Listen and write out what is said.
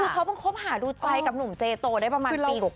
คือเขาเพิ่งคบหาดูใจกับหนุ่มเจโตได้ประมาณปีกว่า